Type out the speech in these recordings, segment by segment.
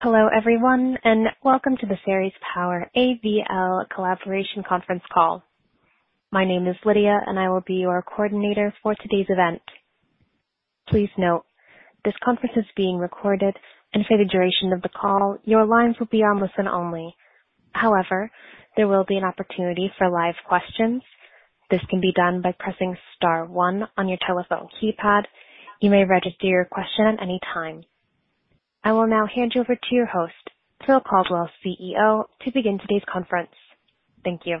Hello everyone, welcome to the Ceres Power AVL Collaboration Conference Call. My name is Lydia, I will be your coordinator for today's event. Please note, this conference is being recorded, and for the duration of the call, your lines will be on listen-only. However, there will be an opportunity for live questions. This can be done by pressing star one on your telephone keypad. You may register your question at any time. I will now hand you over to your host, Phil Caldwell, CEO, to begin today's conference. Thank you.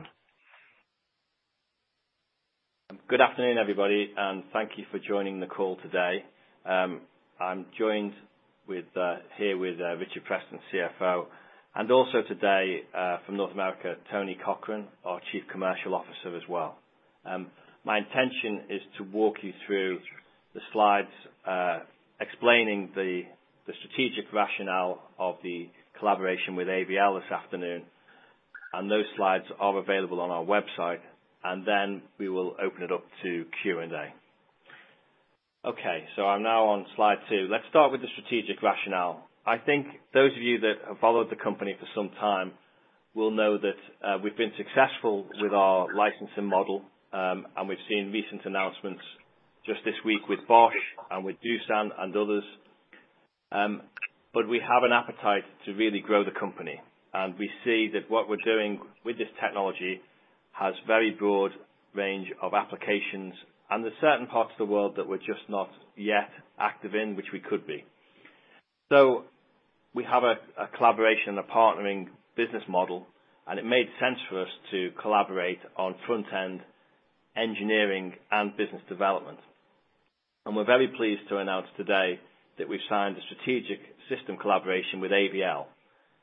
Good afternoon, everybody, and thank you for joining the call today. I'm joined here with Richard Preston, CFO, and also today from North America, Tony Cochrane, our Chief Commercial Officer as well. My intention is to walk you through the slides, explaining the strategic rationale of the collaboration with AVL this afternoon, and those slides are available on our website, and then we will open it up to Q&A. Okay, I'm now on slide two. Let's start with the strategic rationale. I think those of you that have followed the company for some time will know that we've been successful with our licensing model, and we've seen recent announcements just this week with Bosch and with Doosan and others. We have an appetite to really grow the company, and we see that what we're doing with this technology has very broad range of applications, and there are certain parts of the world that we're just not yet active in, which we could be. We have a collaboration, a partnering business model, and it made sense for us to collaborate on front-end engineering and business development. We're very pleased to announce today that we've signed a strategic system collaboration with AVL.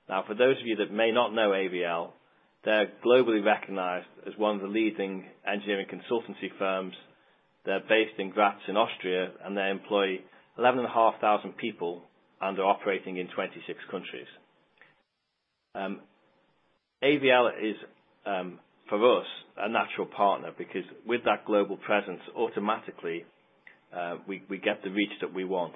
Now, for those of you that may not know AVL, they're globally recognized as one of the leading engineering consultancy firms. They're based in Graz in Austria, and they employ 11,500 people, and are operating in 26 countries. AVL is, for us, a natural partner, because with that global presence, automatically we get the reach that we want.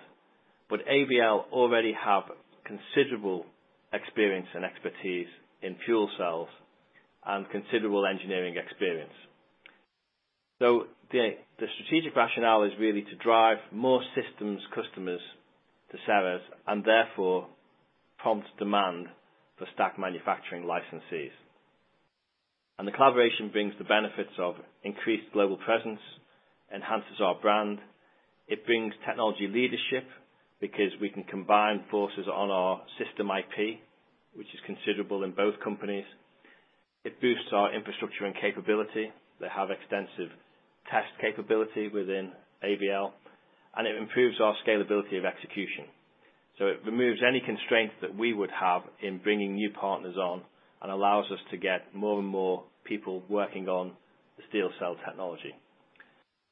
AVL already have considerable experience and expertise in fuel cells and considerable engineering experience. The strategic rationale is really to drive more systems customers to Ceres and therefore prompt demand for stack manufacturing licensees. The collaboration brings the benefits of increased global presence, enhances our brand. It brings technology leadership because we can combine forces on our system IP, which is considerable in both companies. It boosts our infrastructure and capability. They have extensive test capability within AVL, and it improves our scalability of execution. It removes any constraint that we would have in bringing new partners on and allows us to get more and more people working on the SteelCell technology.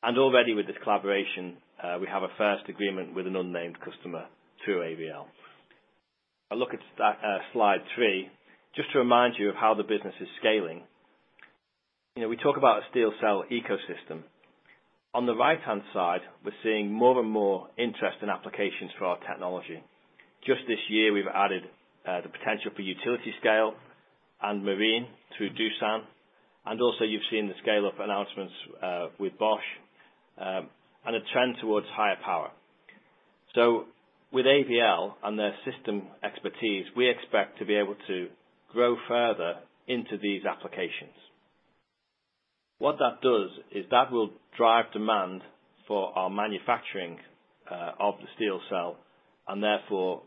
Already with this collaboration, we have a first agreement with an unnamed customer through AVL. A look at slide three, just to remind you of how the business is scaling. We talk about a SteelCell ecosystem. On the right-hand side, we're seeing more and more interest in applications for our technology. Just this year, we've added the potential for utility-scale and marine through Doosan, and also you've seen the scale of announcements with Bosch, and a trend towards higher power. With AVL and their system expertise, we expect to be able to grow further into these applications. What that does is that will drive demand for our manufacturing of the SteelCell and therefore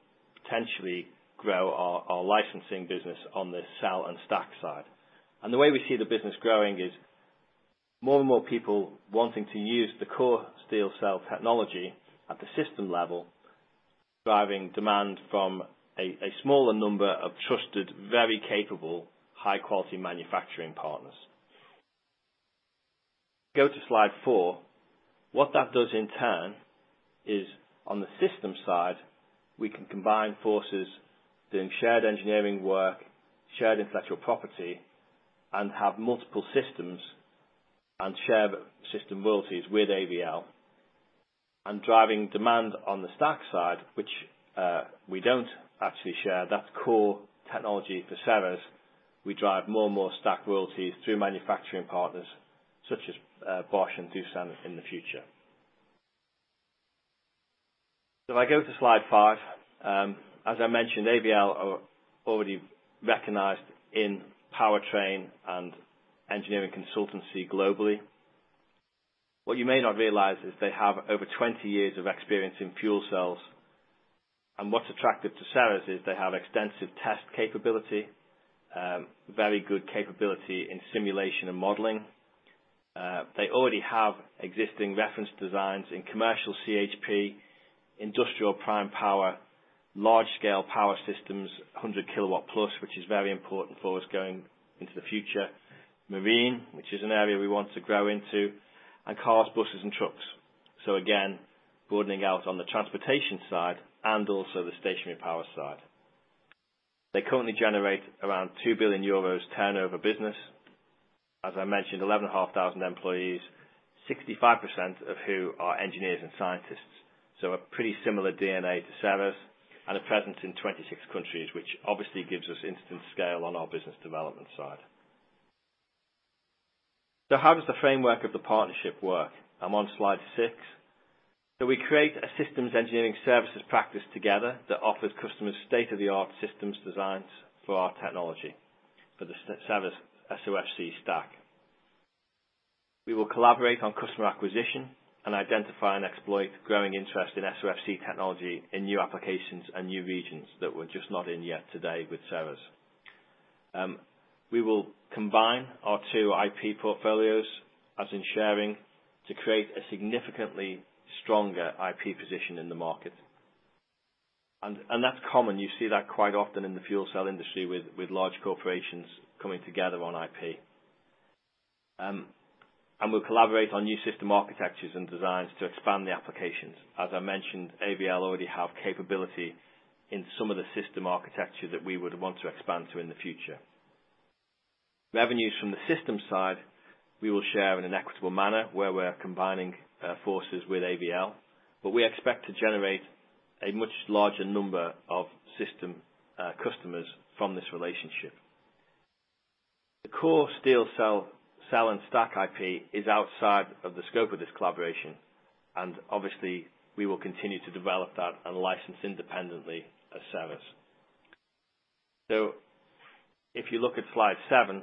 potentially grow our licensing business on the cell and stack side. The way we see the business growing is more and more people wanting to use the core SteelCell technology at the system level, driving demand from a smaller number of trusted, very capable, high-quality manufacturing partners. Go to slide four. What that does in turn is on the system side, we can combine forces, doing shared engineering work, shared intellectual property, and have multiple systems and share system royalties with AVL. Driving demand on the stack side, which we don't actually share, that's core technology for Ceres, we drive more and more stack royalties through manufacturing partners such as Bosch and Doosan in the future. If I go to slide five. As I mentioned, AVL are already recognized in powertrain and engineering consultancy globally. What you may not realize is they have over 20 years of experience in fuel cells. What's attractive to Ceres is they have extensive test capability, very good capability in simulation and modeling. They already have existing reference designs in commercial CHP, industrial prime power, large-scale power systems, 100 kW-plus, which is very important for us going into the future, marine, which is an area we want to grow into, and cars, buses, and trucks. Again, broadening out on the transportation side and also the stationary power side. They currently generate around 2 billion euros turnover business. As I mentioned, 11,500 employees, 65% of who are engineers and scientists. A pretty similar DNA to Ceres and a presence in 26 countries, which obviously gives us instant scale on our business development side. How does the framework of the partnership work? I'm on slide six. We create a systems engineering services practice together that offers customers state-of-the-art systems designs for our technology, for the Ceres SOFC stack. We will collaborate on customer acquisition and identify and exploit growing interest in SOFC technology in new applications and new regions that we're just not in yet today with Ceres. We will combine our two IP portfolios, as in sharing, to create a significantly stronger IP position in the market. That's common. You see that quite often in the fuel cell industry with large corporations coming together on IP. We'll collaborate on new system architectures and designs to expand the applications. As I mentioned, AVL already have capability in some of the system architecture that we would want to expand to in the future. Revenues from the systems side, we will share in an equitable manner where we're combining forces with AVL, but we expect to generate a much larger number of system customers from this relationship. The core SteelCell and stack IP is outside of the scope of this collaboration, obviously, we will continue to develop that and license independently as Ceres. If you look at slide seven,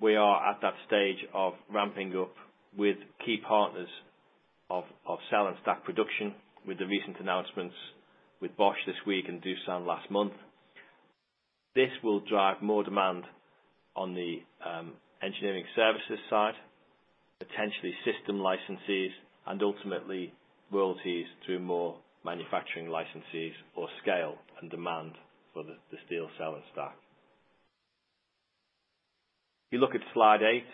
we are at that stage of ramping up with key partners of cell and stack production with the recent announcements with Bosch this week and Doosan last month. This will drive more demand on the engineering services side, potentially system licensees, and ultimately royalties through more manufacturing licensees or scale and demand for the SteelCell and stack. If you look at slide eight,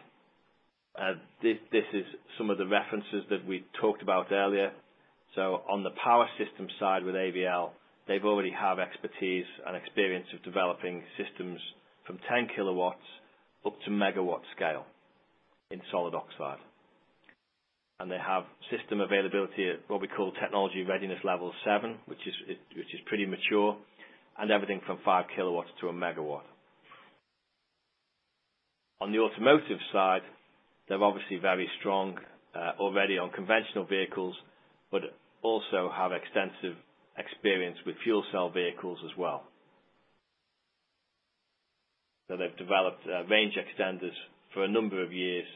this is some of the references that we talked about earlier. On the power system side with AVL, they already have expertise and experience of developing systems from 10 kW up to megawatt scale in solid oxide. They have system availability at what we call Technology Readiness Level 7, which is pretty mature, everything from 5 kW to a megawatt. On the automotive side, they're obviously very strong already on conventional vehicles, but also have extensive experience with fuel cell vehicles as well. They've developed range extenders for a number of years,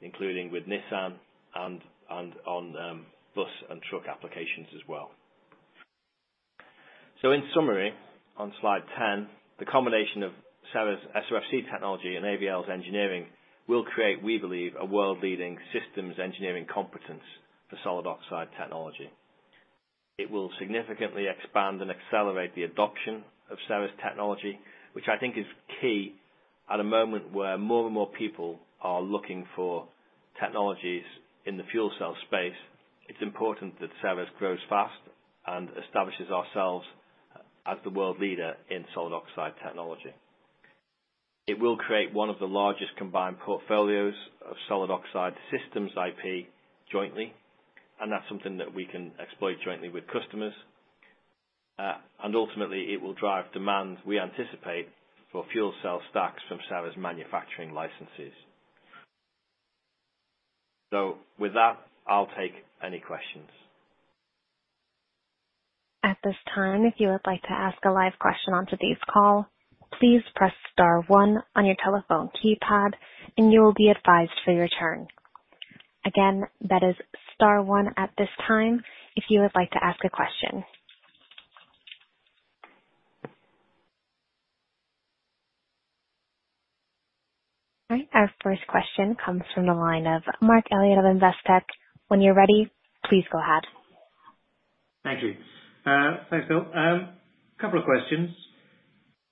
including with Nissan and on bus and truck applications as well. In summary, on slide 10, the combination of Ceres SOFC technology and AVL's engineering will create, we believe, a world-leading systems engineering competence for solid oxide technology. It will significantly expand and accelerate the adoption of Ceres technology, which I think is key at a moment where more and more people are looking for technologies in the fuel cell space. It's important that Ceres grows fast and establishes ourselves as the world leader in solid oxide technology. It will create one of the largest combined portfolios of solid oxide systems IP jointly, and that's something that we can exploit jointly with customers. Ultimately, it will drive demand, we anticipate, for fuel cell stacks from Ceres' manufacturing licenses. With that, I'll take any questions. At this time, if you would like to ask a live question onto this call, please press star one on your telephone keypad and you will be advised for your turn. Again, that is star one at this time, if you would like to ask a question. All right, our first question comes from the line of Marc Elliott of Investec. When you're ready, please go ahead. Thank you. Thanks, Phil. A couple of questions.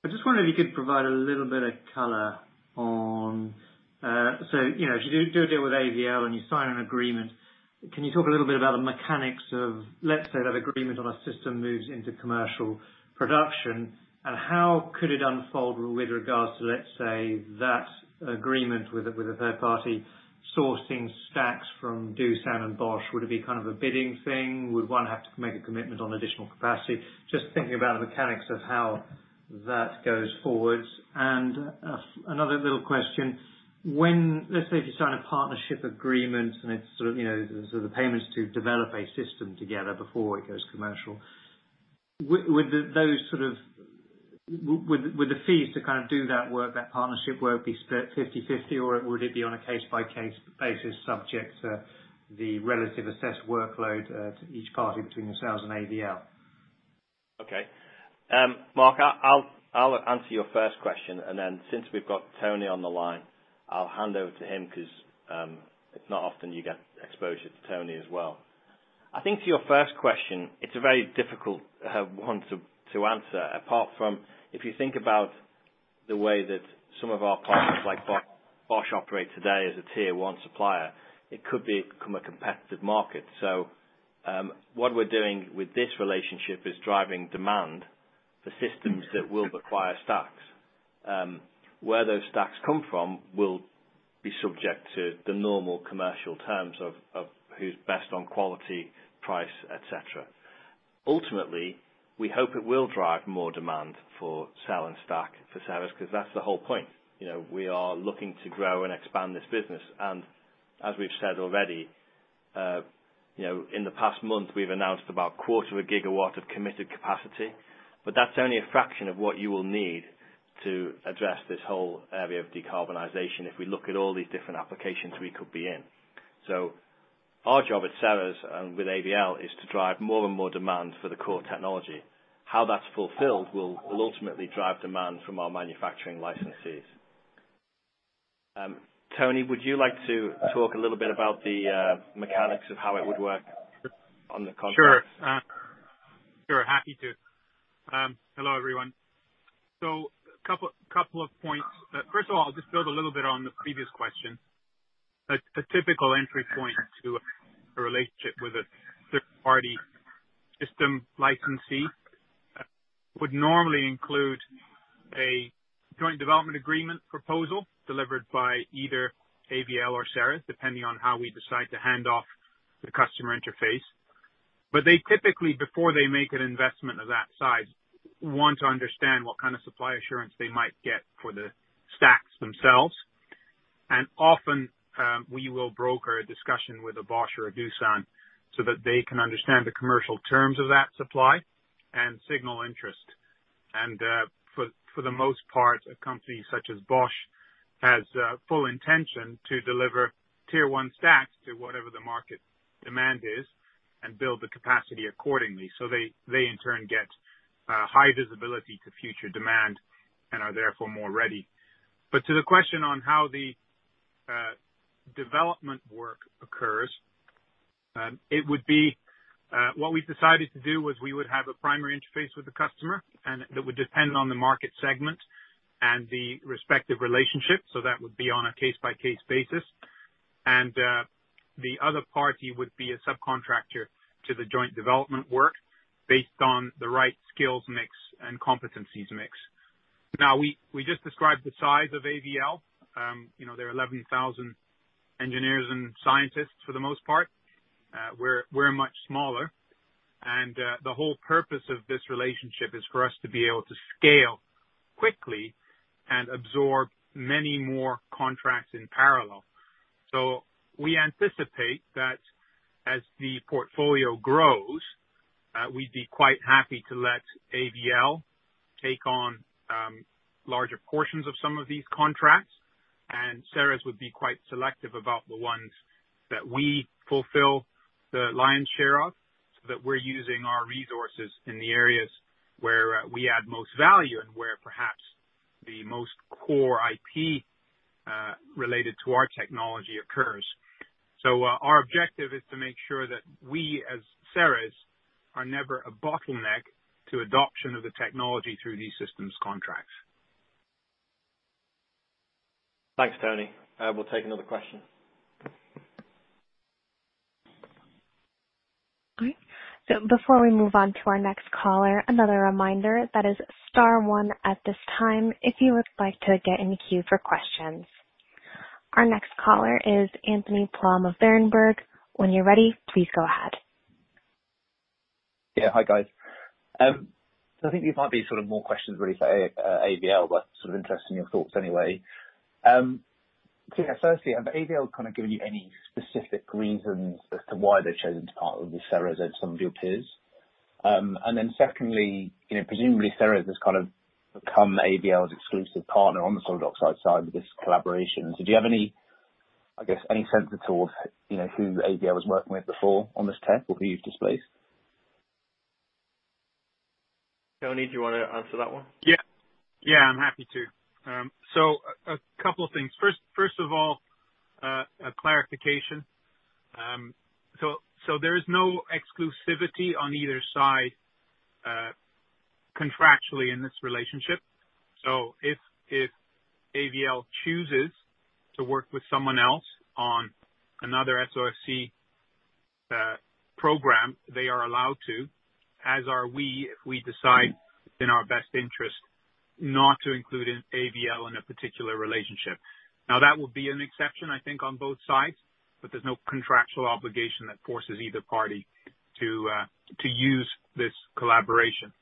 I just wonder if you could provide a little bit of color on- So, if you do a deal with AVL and you sign an agreement, can you talk a little bit about the mechanics of, let's say, that agreement on a system moves into commercial production, and how could it unfold with regards to, let's say, that agreement with a third party sourcing stacks from Doosan and Bosch? Would it be kind of a bidding thing? Would one have to make a commitment on additional capacity? Just thinking about the mechanics of how that goes forwards. Another little question. When, let's say, if you sign a partnership agreement and it's sort of the payments to develop a system together before it goes commercial, would the fees to kind of do that work, that partnership work, be split 50/50, or would it be on a case-by-case basis subject to the relative assessed workload to each party between the Ceres and AVL? Okay. Marc, I'll answer your first question, and then since we've got Tony on the line, I'll hand over to him because it's not often you get exposure to Tony as well. I think to your first question, it's a very difficult one to answer, apart from if you think about the way that some of our partners like Bosch operates today as a Tier 1 supplier. It could become a competitive market. What we're doing with this relationship is driving demand for systems that will require stacks. Where those stacks come from will be subject to the normal commercial terms of who's best on quality, price, et cetera. Ultimately, we hope it will drive more demand for cell and stack for sales, because that's the whole point. We are looking to grow and expand this business. As we've said already, in the past month, we've announced about quarter of a gigawatt of committed capacity, but that's only a fraction of what you will need to address this whole area of decarbonization if we look at all these different applications we could be in. Our job at Ceres and with AVL is to drive more and more demand for the core technology. How that's fulfilled will ultimately drive demand from our manufacturing licensees. Tony, would you like to talk a little bit about the mechanics of how it would work on the contract? Sure. Happy to. Hello, everyone. A couple of points. First of all, I'll just build a little bit on the previous question. A typical entry point to a relationship with a third-party system licensee would normally include a joint development agreement proposal delivered by either AVL or Ceres, depending on how we decide to hand off the customer interface. They typically, before they make an investment of that size, want to understand what kind of supply assurance they might get for the stacks themselves. Often, we will broker a discussion with a Bosch or a Doosan so that they can understand the commercial terms of that supply and signal interest. For the most part, a company such as Bosch has full intention to deliver Tier 1 stacks to whatever the market demand is and build the capacity accordingly. They in turn get high visibility to future demand and are therefore more ready. To the question on how the development work occurs, what we've decided to do was we would have a primary interface with the customer, and that would depend on the market segment and the respective relationship, so that would be on a case-by-case basis. The other party would be a subcontractor to the joint development work based on the right skills mix and competencies mix. We just described the size of AVL. There are 11,000 engineers and scientists for the most part. We're much smaller, and the whole purpose of this relationship is for us to be able to scale quickly and absorb many more contracts in parallel. We anticipate that as the portfolio grows, we'd be quite happy to let AVL take on larger portions of some of these contracts, and Ceres would be quite selective about the ones that we fulfill the lion's share of, so that we're using our resources in the areas where we add most value and where perhaps the most core IP related to our technology occurs. Our objective is to make sure that we, as Ceres, are never a bottleneck to adoption of the technology through these systems contracts. Thanks, Tony. We'll take another question. Before we move on to our next caller, another reminder, that is star one at this time, if you would like to get in the queue for questions. Our next caller is Anthony Plom of Berenberg. When you're ready, please go ahead. Yeah. Hi, guys. I think these might be more questions really for AVL, but sort of interested in your thoughts anyway. Yeah, firstly, have AVL kind of given you any specific reasons as to why they've chosen to partner with Ceres over some of your peers? Secondly, presumably Ceres has kind of become AVL's exclusive partner on the solid oxide side with this collaboration. Do you have any, I guess, any sense at all of who AVL was working with before on this tech or who you've displaced? Tony, do you want to answer that one? Yeah. I'm happy to. A couple of things. First of all, a clarification. There is no exclusivity on either side contractually in this relationship. If AVL chooses to work with someone else on another SOFC program, they are allowed to, as are we, if we decide it's in our best interest not to include AVL in a particular relationship. Now, that would be an exception, I think, on both sides, but there's no contractual obligation that forces either party to use this collaboration.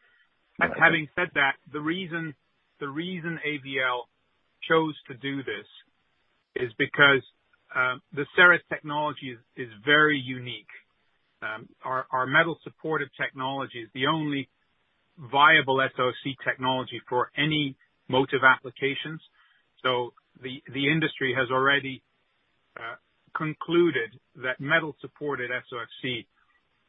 Right. Having said that, the reason AVL chose to do this is because the Ceres technology is very unique. Our metal-supported technology is the only viable SOFC technology for any motive applications. The industry has already concluded that metal-supported SOFC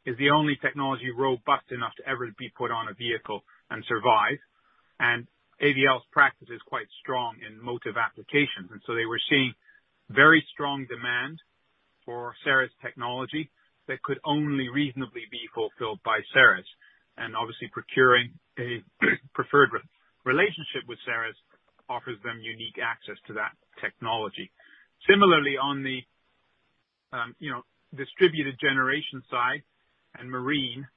is the only technology robust enough to ever be put on a vehicle and survive. AVL's practice is quite strong in motive applications. They were seeing very strong demand for Ceres technology that could only reasonably be fulfilled by Ceres. Obviously procuring a preferred relationship with Ceres offers them unique access to that technology. Similarly, on the distributed generation side and marine,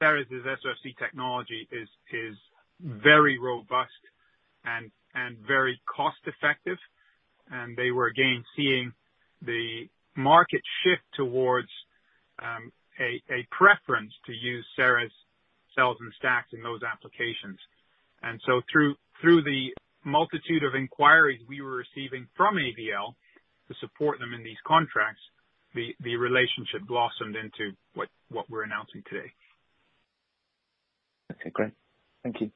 Ceres' SOFC technology is very robust and very cost-effective. They were again seeing the market shift towards a preference to use Ceres cells and stacks in those applications. Through the multitude of inquiries we were receiving from AVL to support them in these contracts, the relationship blossomed into what we're announcing today. Okay, great. Thank you.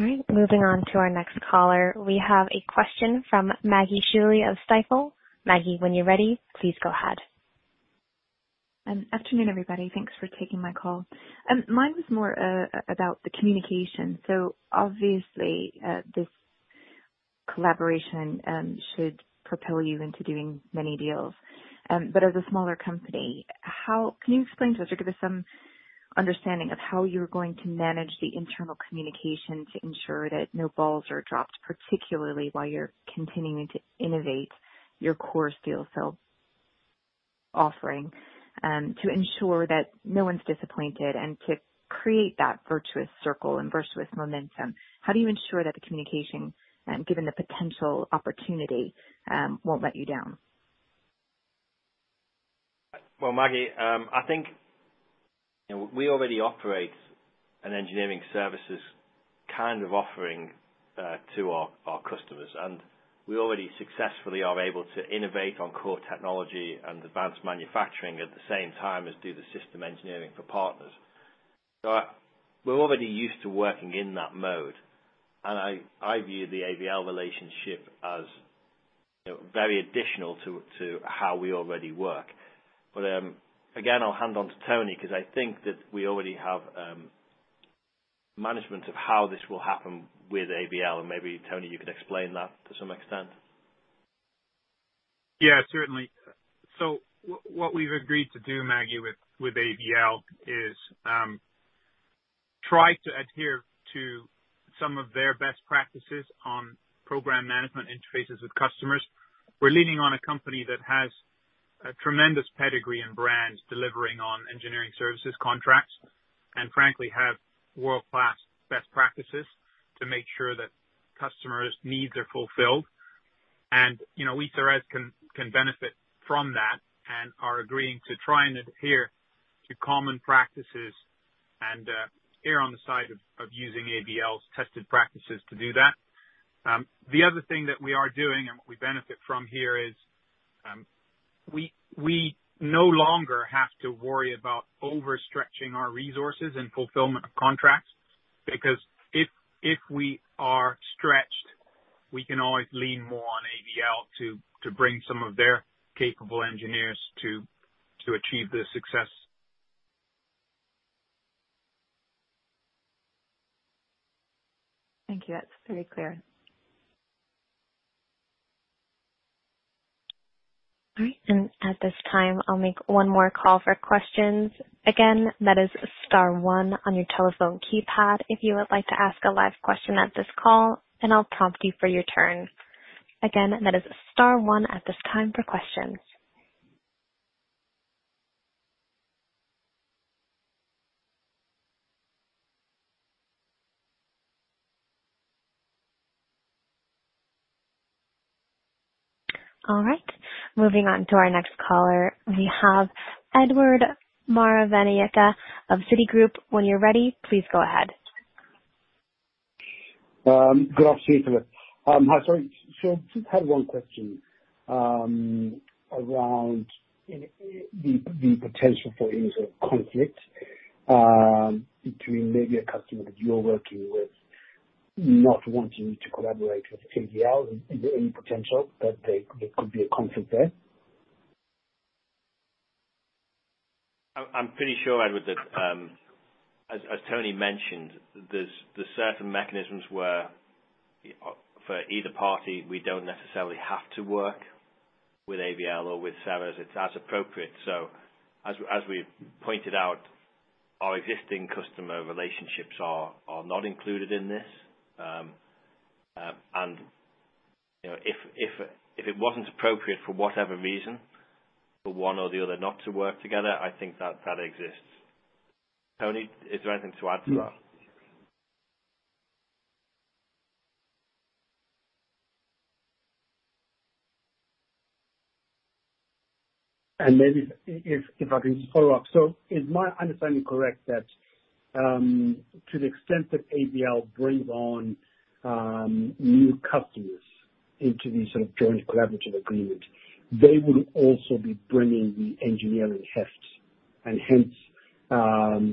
All right. Moving on to our next caller. We have a question from Maggie MacDougall of Stifel. Maggie, when you're ready, please go ahead. Afternoon, everybody. Thanks for taking my call. Mine was more about the communication. Obviously, this collaboration should propel you into doing many deals. As a smaller company, can you explain to us or give us some understanding of how you're going to manage the internal communication to ensure that no balls are dropped, particularly while you're continuing to innovate your core SteelCell offering, to ensure that no one's disappointed and to create that virtuous circle and virtuous momentum? How do you ensure that the communication, given the potential opportunity, won't let you down? Maggie, I think we already operate an engineering services kind of offering to our customers, and we already successfully are able to innovate on core technology and advanced manufacturing at the same time as do the system engineering for partners. We're already used to working in that mode, and I view the AVL relationship as very additional to how we already work. Again, I'll hand on to Tony because I think that we already have management of how this will happen with AVL, and maybe Tony, you could explain that to some extent. Yeah, certainly. What we've agreed to do, Maggie, with AVL is try to adhere to some of their best practices on program management interfaces with customers. We're leaning on a company that has a tremendous pedigree and brand delivering on engineering services contracts, and frankly, have world-class best practices to make sure that customers' needs are fulfilled. We, Ceres, can benefit from that and are agreeing to try and adhere to common practices and err on the side of using AVL's tested practices to do that. The other thing that we are doing and what we benefit from here is we no longer have to worry about overstretching our resources and fulfillment of contracts because if we are stretched, we can always lean more on AVL to bring some of their capable engineers to achieve the success. Thank you. That's very clear. All right. At this time, I'll make one more call for questions. Again, that is star one on your telephone keypad if you would like to ask a live question at this call, and I'll prompt you for your turn. Again, that is star one at this time for questions. All right. Moving on to our next caller. We have Edward Ruff of Citigroup. When you're ready, please go ahead. Good afternoon. Hi, Tony. Just had one question around the potential for any sort of conflict between maybe a customer that you're working with not wanting to collaborate with AVL. Is there any potential that there could be a conflict there? I'm pretty sure, Edward, that as Tony mentioned, there's certain mechanisms where for either party, we don't necessarily have to work with AVL or with Ceres. It's as appropriate. As we've pointed out, our existing customer relationships are not included in this. If it wasn't appropriate for whatever reason for one or the other not to work together, I think that exists. Tony, is there anything to add to that? Maybe if I can just follow up. Is my understanding correct that to the extent that AVL brings on new customers into the sort of joint collaborative agreement, they will also be bringing the engineering heft and hence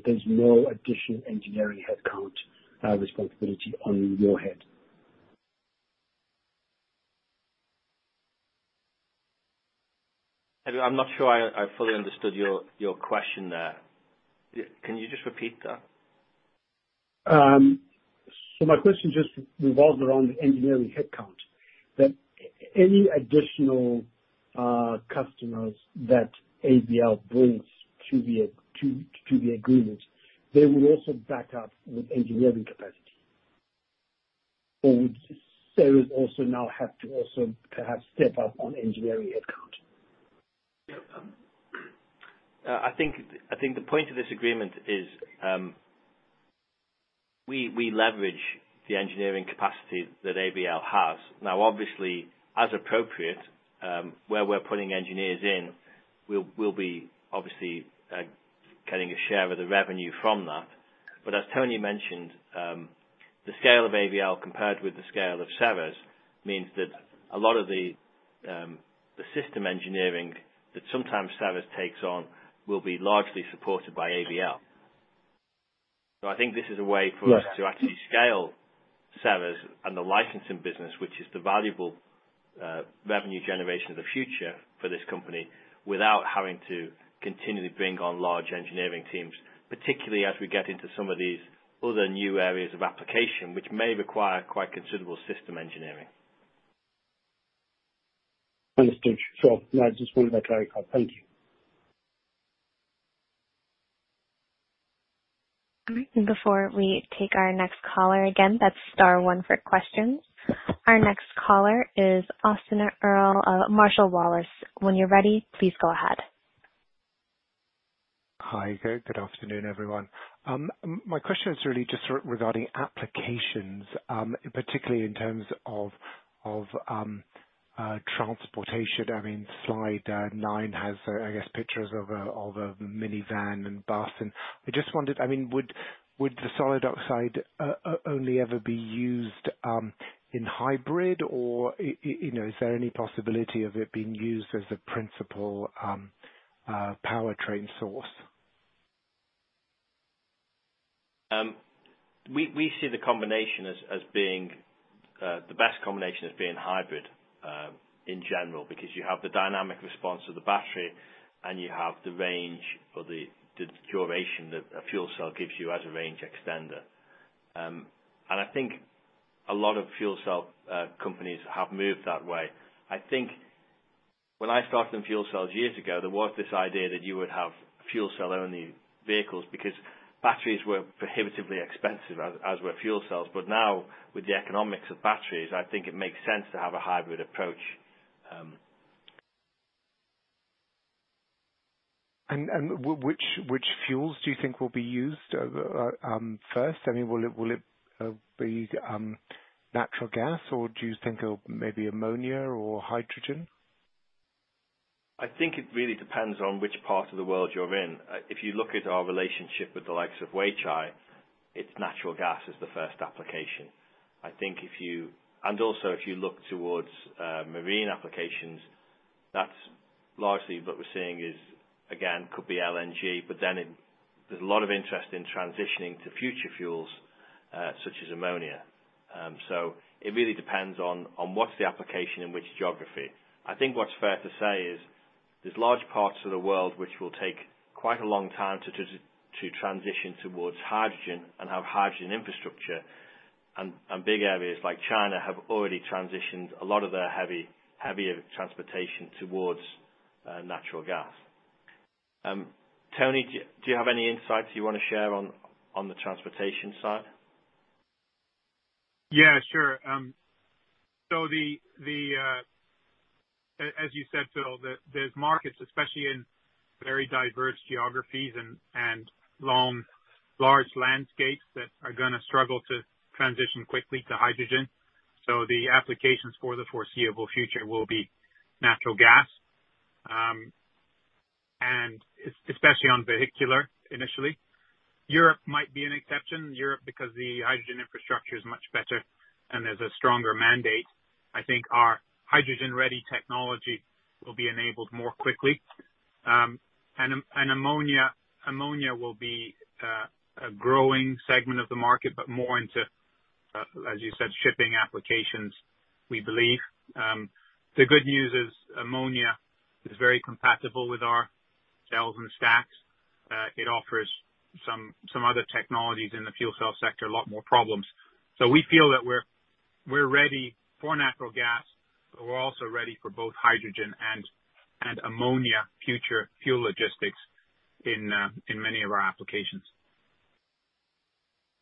there's no additional engineering headcount responsibility on your head? I'm not sure I fully understood your question there. Can you just repeat that? My question just revolves around engineering headcount, that any additional customers that AVL brings to the agreement, they will also back up with engineering capacity. Would Ceres also now have to perhaps step up on engineering headcount? I think the point of this agreement is we leverage the engineering capacity that AVL has. Obviously, as appropriate, where we're putting engineers in, we'll be obviously getting a share of the revenue from that. As Tony mentioned, the scale of AVL compared with the scale of Ceres means that a lot of the system engineering that sometimes Ceres takes on will be largely supported by AVL. I think this is a way for us to actually scale Ceres and the licensing business, which is the valuable revenue generation of the future for this company, without having to continually bring on large engineering teams, particularly as we get into some of these other new areas of application, which may require quite considerable system engineering. Understood. Sure. No, I just wanted that clarified. Thank you. All right. Before we take our next caller, again, that's star one for questions. Our next caller is Austin Earl, Marshall Wace. When you're ready, please go ahead. Hi. Good afternoon, everyone. My question is really just regarding applications, particularly in terms of transportation. Slide nine has, I guess, pictures of a minivan and bus. I just wondered, would the solid oxide only ever be used in hybrid, or is there any possibility of it being used as a principal powertrain source? We see the best combination as being hybrid, in general, because you have the dynamic response of the battery, and you have the range or the duration that a fuel cell gives you as a range extender. I think a lot of fuel cell companies have moved that way. I think when I started in fuel cells years ago, there was this idea that you would have fuel cell-only vehicles because batteries were prohibitively expensive, as were fuel cells. Now, with the economics of batteries, I think it makes sense to have a hybrid approach. Which fuels do you think will be used first? Will it be natural gas, or do you think maybe ammonia or hydrogen? I think it really depends on which part of the world you're in. If you look at our relationship with the likes of Weichai, it's natural gas as the first application. Also, if you look towards marine applications, that's largely what we're seeing is, again, could be LNG. Then there's a lot of interest in transitioning to future fuels such as ammonia. It really depends on what's the application in which geography. I think what's fair to say is there's large parts of the world which will take quite a long time to transition towards hydrogen and have hydrogen infrastructure, and big areas like China have already transitioned a lot of their heavier transportation towards natural gas. Tony, do you have any insights you want to share on the transportation side? Yeah, sure. As you said, Phil, there's markets, especially in very diverse geographies and large landscapes that are going to struggle to transition quickly to hydrogen. The applications for the foreseeable future will be natural gas, and especially on vehicular, initially. Europe might be an exception. Europe, because the hydrogen infrastructure is much better and there's a stronger mandate. I think our hydrogen-ready technology will be enabled more quickly. Ammonia will be a growing segment of the market, but more into, as you said, shipping applications, we believe. The good news is ammonia is very compatible with our cells and stacks. It offers some other technologies in the fuel cell sector a lot more problems. We feel that we're ready for natural gas, but we're also ready for both hydrogen and ammonia future fuel logistics in many of our applications.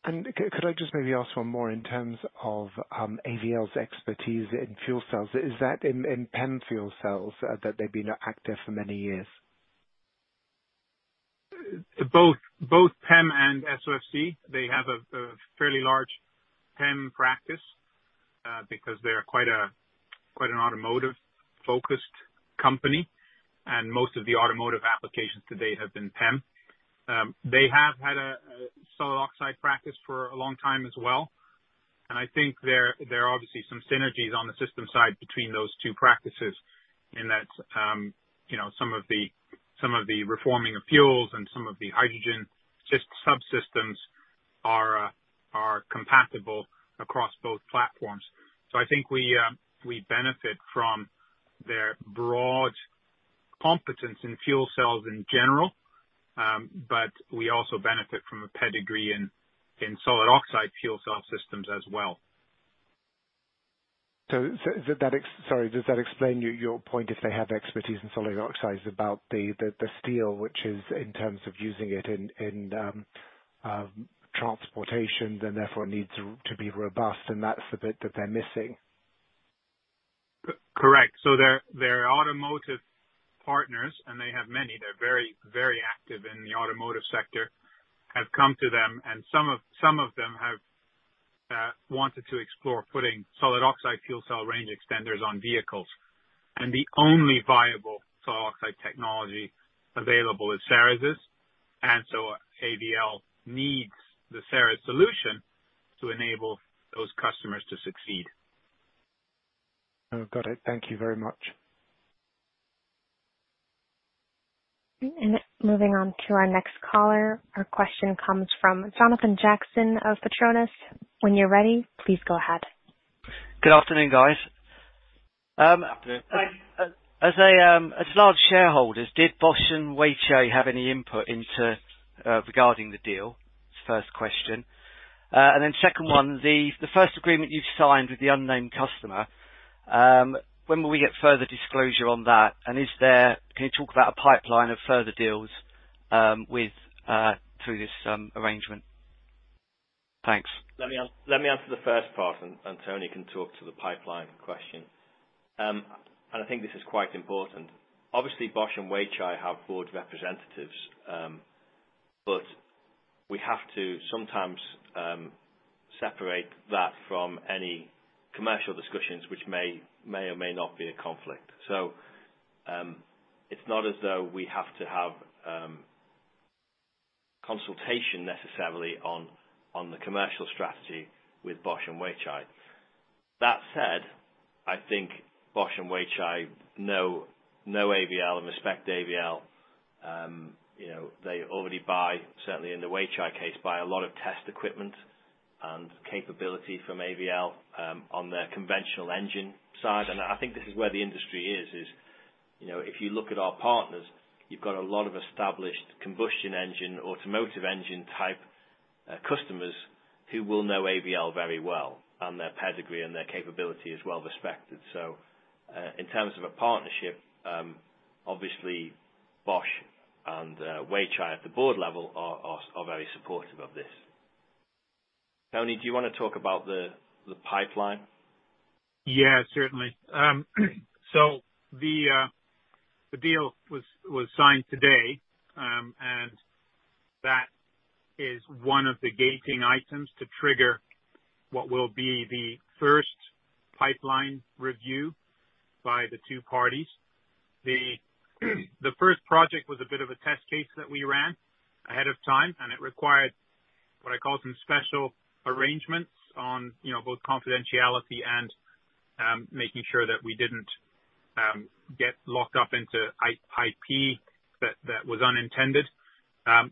Could I just maybe ask one more in terms of AVL's expertise in fuel cells? Is that in PEM fuel cells that they've been active for many years? Both PEM and SOFC, they have a fairly large PEM practice because they are quite an automotive-focused company, and most of the automotive applications today have been PEM. They have had a solid oxide practice for a long time as well, and I think there are obviously some synergies on the system side between those two practices in that some of the reforming of fuels and some of the hydrogen subsystems are compatible across both platforms. I think we benefit from their broad competence in fuel cells in general, but we also benefit from a pedigree in solid oxide fuel cell systems as well. Sorry, does that explain your point, if they have expertise in solid oxides, about the Steel, which is in terms of using it in transportation, then therefore needs to be robust and that's the bit that they're missing? Correct. Their automotive partners, and they have many, they're very active in the automotive sector, have come to them, and some of them have wanted to explore putting solid oxide fuel cell range extenders on vehicles. The only viable solid oxide technology available is Ceres'. AVL needs the Ceres solution to enable those customers to succeed. Oh, got it. Thank you very much. Moving on to our next caller. Our question comes from Jonathan Jackson of Patronus. When you're ready, please go ahead. Good afternoon, guys. Afternoon. As large shareholders, did Bosch and Weichai have any input regarding the deal? Is the first question. Then second one, the first agreement you've signed with the unnamed customer, when will we get further disclosure on that? Can you talk about a pipeline of further deals through this arrangement? Thanks. Let me answer the first part. Tony can talk to the pipeline question. I think this is quite important. Obviously, Bosch and Weichai have board representatives. We have to sometimes separate that from any commercial discussions which may or may not be in conflict. It's not as though we have to have consultation necessarily on the commercial strategy with Bosch and Weichai. That said, I think Bosch and Weichai know AVL and respect AVL. They already buy, certainly in the Weichai case, buy a lot of test equipment and capability from AVL, on their conventional engine side. I think this is where the industry is, if you look at our partners, you've got a lot of established combustion engine, automotive engine type customers who will know AVL very well, and their pedigree and their capability is well respected. In terms of a partnership, obviously Bosch and Weichai at the board level are very supportive of this. Tony, do you want to talk about the pipeline? Yeah, certainly. The deal was signed today. That is one of the gating items to trigger what will be the first pipeline review by the two parties. The first project was a bit of a test case that we ran ahead of time, and it required what I call some special arrangements on both confidentiality and making sure that we didn't get locked up into IP that was unintended.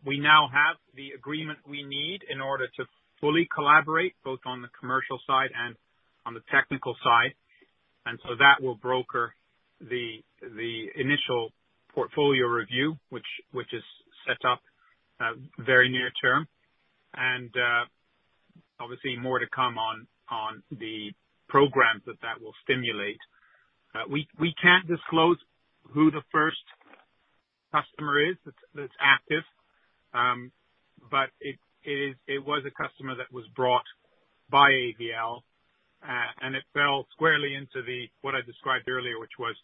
We now have the agreement we need in order to fully collaborate, both on the commercial side and on the technical side. That will broker the initial portfolio review, which is set up very near term. Obviously more to come on the programs that that will stimulate. We can't disclose who the first customer is that's active. It was a customer that was brought by AVL, and it fell squarely into what I described earlier, which was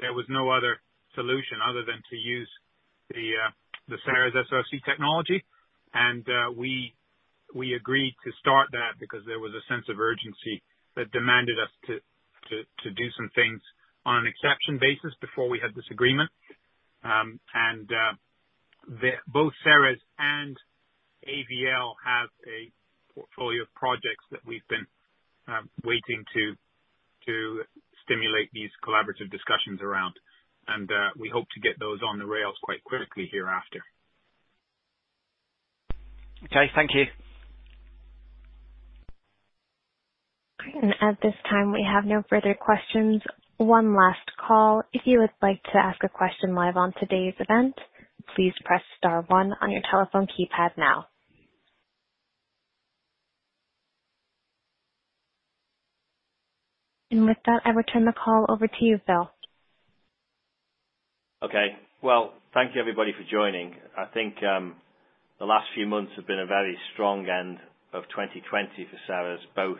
there was no other solution other than to use the Ceres SOFC technology. We agreed to start that because there was a sense of urgency that demanded us to do some things on an exception basis before we had this agreement. Both Ceres and AVL have a portfolio of projects that we've been waiting to stimulate these collaborative discussions around. We hope to get those on the rails quite quickly hereafter. Okay. Thank you. Great. At this time, we have no further questions. One last call. If you would like to ask a question live on today's event, please press star one on your telephone keypad now. With that, I return the call over to you, Phil. Okay. Well, thank you everybody for joining. I think the last few months have been a very strong end of 2020 for Ceres, both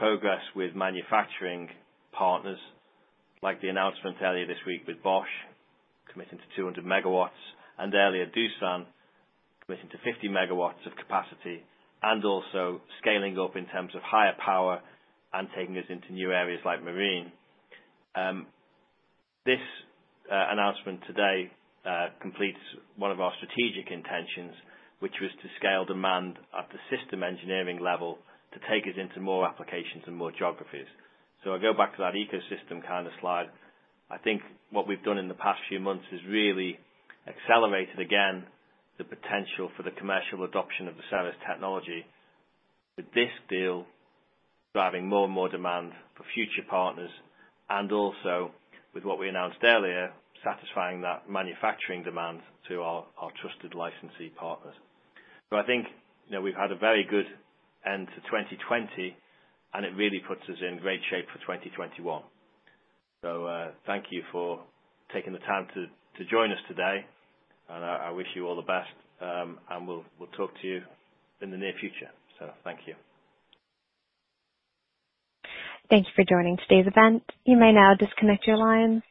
progress with manufacturing partners, like the announcement earlier this week with Bosch committing to 200 MW, and earlier Doosan committing to 50 MW of capacity and also scaling up in terms of higher power and taking us into new areas like marine. This announcement today completes one of our strategic intentions, which was to scale demand at the system engineering level to take us into more applications and more geographies. I go back to that ecosystem slide. I think what we've done in the past few months has really accelerated, again, the potential for the commercial adoption of the Ceres technology. With this deal, driving more and more demand for future partners, and also with what we announced earlier, satisfying that manufacturing demand to our trusted licensee partners. I think we've had a very good end to 2020, and it really puts us in great shape for 2021. Thank you for taking the time to join us today, and I wish you all the best, and we'll talk to you in the near future. Thank you. Thank you for joining today's event. You may now disconnect your lines.